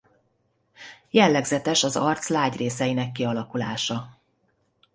Jellegzetes az arc lágy részeinek kialakulása.